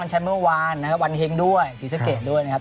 แชมป์เมื่อวานนะครับวันเฮงด้วยศรีสะเกดด้วยนะครับ